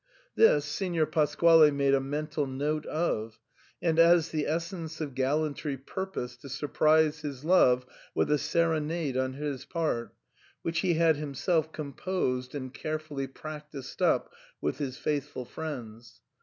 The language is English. This Signor Pasquale made a mental note of, and as the essence of gallantry purposed to surprise his love with a serenade on his part, which he had himself com posed and carefully practised up with his faithful friends.